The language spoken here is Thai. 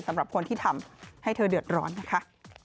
สำหรับคนที่ทำให้เธอเดือดร้อนนะคะ